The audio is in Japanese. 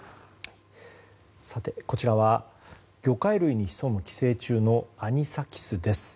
こちらは魚介類に潜む寄生虫のアニサキスです。